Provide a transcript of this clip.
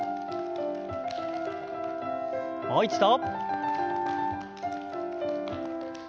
もう一度。